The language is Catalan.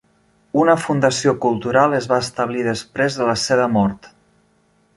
Una fundació cultural es va establir després de la seva mort.